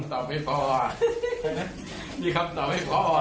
เราก็เห็นมาทั้งหมดกี่โรงเรียน